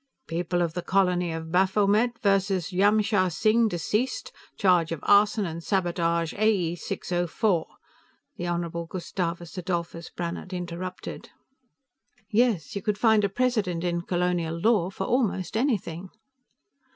"People of the Colony of Baphomet versus Jamshar Singh, Deceased, charge of arson and sabotage, A.E. 604," the Honorable Gustavus Adolphus Brannhard interrupted. Yes, you could find a precedent in colonial law for almost anything.